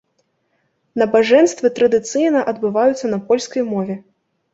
Набажэнствы традыцыйна адбываюцца на польскай мове.